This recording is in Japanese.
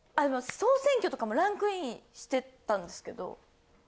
総選挙とかもランクインしてたんですけど。